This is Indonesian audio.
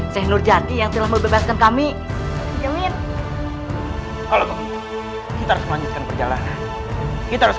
saya nur jati yang telah melepaskan kami jamin kita harus melanjutkan perjalanan kita harus